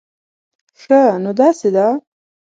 ښه، نو داسې ده